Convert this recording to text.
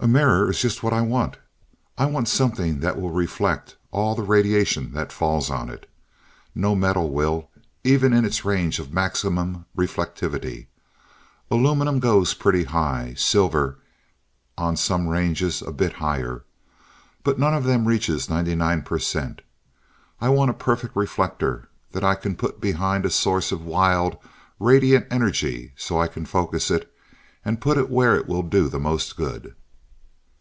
"A mirror is just what I want. I want something that will reflect all the radiation that falls on it. No metal will, even in its range of maximum reflectivity. Aluminum goes pretty high, silver, on some ranges, a bit higher. But none of them reaches 99%. I want a perfect reflector that I can put behind a source of wild, radiant energy so I can focus it, and put it where it will do the most good."